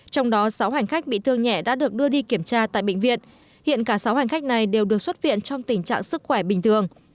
trong đó sáu hành khách bị thương nhẹ đã được đưa đi kiểm tra tại bệnh viện hiện cả sáu hành khách này đều được xuất viện trong tình trạng sức khỏe bình thường